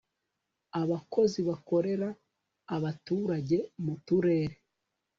abakozi bakorera abaturage mu turere